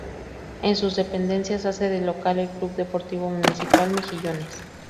En sus dependencias hace de local el Club Deportivo Municipal Mejillones.